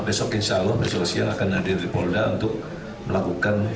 besok insyaallah beresolusiah akan hadir di polda untuk melakukan gelar peka